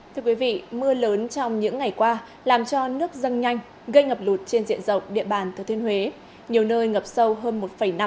thưa quý vị mưa lớn trong những ngày qua làm cho nước dâng nhanh gây ngập lụt trên diện rộng địa bàn thừa thiên huế nhiều nơi ngập sâu hơn một năm m